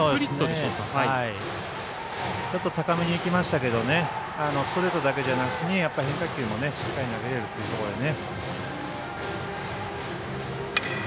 ちょっと高めに浮きましたけどストレートだけじゃなしに変化球もしっかり投げれるというところですね。